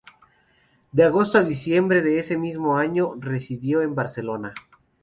De agosto a diciembre de ese mismo año residió en Barcelona.